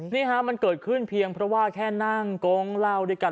นี่ฮะมันเกิดขึ้นเพียงเพราะว่าแค่นั่งโก๊งเหล้าด้วยกัน